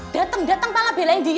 datang datang malah belain dia